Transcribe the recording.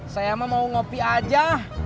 saya mah mau ngopi aja